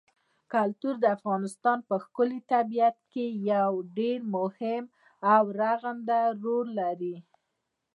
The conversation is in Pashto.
کلتور د افغانستان په ښکلي طبیعت کې یو ډېر مهم او رغنده رول لري.